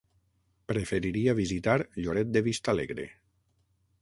Preferiria visitar Lloret de Vistalegre.